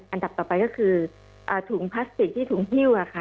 อันดับต่อไปก็คือถุงพลาสติกที่ถุงหิ้วค่ะ